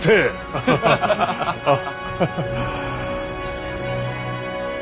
ハハハハハ。